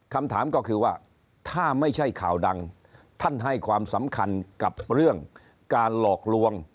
คำถามก็คือว่าถ้าไม่ใช่ข่าวดังท่านให้ความสำคัญกับเรื่องการหลอกลวง